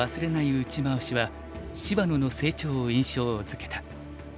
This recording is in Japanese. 打ち回しは芝野の成長を印象づけた。